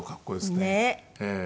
ねえ。